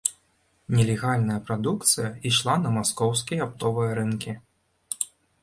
Нелегальная прадукцыя ішла на маскоўскія аптовыя рынкі.